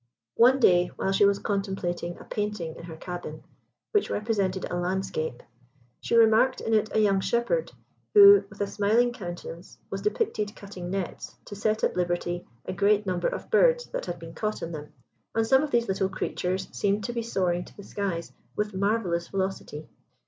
One day while she was contemplating a painting in her cabin, which represented a landscape, she remarked in it a young shepherd, who, with a smiling countenance, was depicted cutting nets to set at liberty a great number of birds that had been caught in them, and some of these little creatures seemed to be soaring to the skies with marvellous velocity.